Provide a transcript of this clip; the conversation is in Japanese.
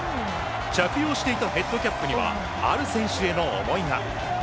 着用していたヘッドキャップにはある選手への思いが。